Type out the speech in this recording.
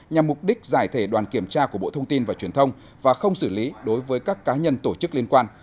nhằm mục đích giải thể đoàn kiểm tra của bộ thông tin và truyền thông và không xử lý đối với các cá nhân tổ chức liên quan